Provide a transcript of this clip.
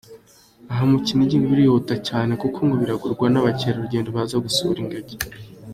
Aha mu Kinigi bijyanwa, ngo birihuta cyane kuko bigurwa n’ abakerarugendo baza gusura ingagi.